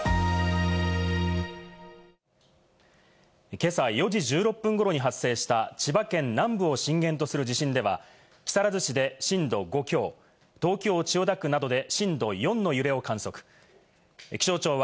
今朝４時１６分頃に発生した千葉県南部を震源とする地震では、木更津市で震度５強、君津市で震度５弱、横浜市中区などで震度４の揺れを観測しました。